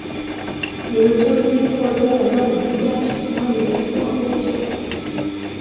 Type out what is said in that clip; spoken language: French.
Les autorités procèdent alors au déguerpissement des habitants en périphérie.